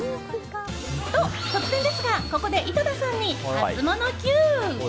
と、突然ですがここで井戸田さんにハツモノＱ。